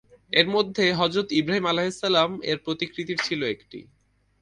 এর মধ্যে হযরত ইব্রাহিম আলাইহিস সালাম-এর প্রতিকৃতির ছিল একটি।